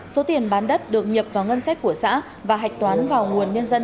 số tiền bán đất được nhập vào ngân sách của xã và hạch toán vào nguồn nhân dân